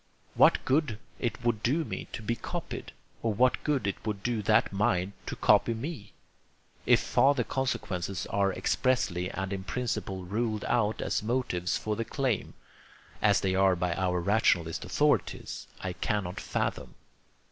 What good it would do me to be copied, or what good it would do that mind to copy me, if farther consequences are expressly and in principle ruled out as motives for the claim (as they are by our rationalist authorities) I cannot fathom.